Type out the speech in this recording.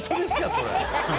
それ。